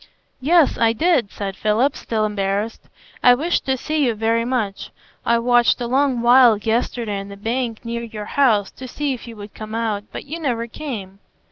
"Yes, I did," said Philip, still embarrassed; "I wished to see you very much. I watched a long while yesterday on the bank near your house to see if you would come out, but you never came.